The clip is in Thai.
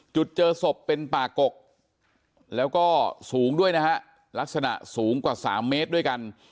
จุดเจอศพเป็นป่ากกแล้วก็สูงด้วยนะฮะลักษณะสูงกว่า๓เมตรด้วยกัน